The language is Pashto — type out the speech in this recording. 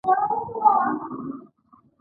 هغه خلک ډېر خوشاله دي.